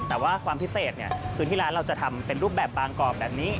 แต่ว่าความพิเศษคือที่ร้านเราจะทำเป็นรูปแบบบางกรอบแบบนี้